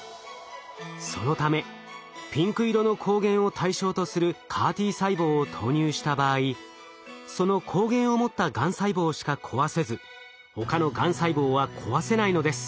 そのためピンク色の抗原を対象とするＣＡＲ−Ｔ細胞を投入した場合その抗原を持ったがん細胞しか壊せず他のがん細胞は壊せないのです。